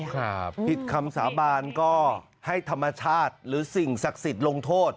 ผิดคำสาบานก็ให้ธรรมชาติหรือสิ่งศักดิ์สิทธิ์ลงโทษ